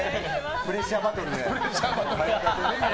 プレッシャーバトルで。